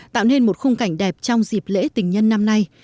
tạo nên một khung cảnh đẹp trong dịp lễ tình nhân năm nay